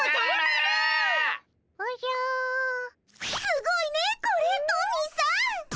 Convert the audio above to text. すごいねこれトミーさん。